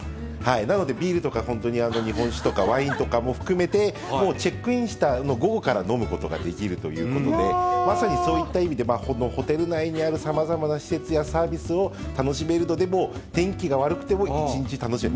なのでビールとか本当に、日本酒とか、ワインとかも含めてもうチェックインした午後から飲むことができるということで、まさにそういった意味で本当、ホテル内にあるさまざまな施設やサービスを楽しめるので、天気が悪くても一日、楽しめる。